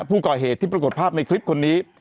ผู้ก่อเหตุที่ปรากฏภาพในคลิปคนนี้